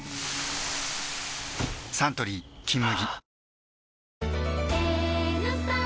サントリー「金麦」